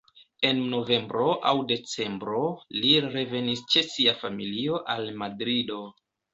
En novembro aŭ decembro li revenis ĉe sia familio al Madrido.